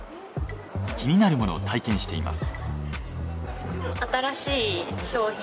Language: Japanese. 気になるものを体験しています。